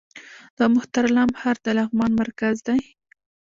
د مهترلام ښار د لغمان مرکز دی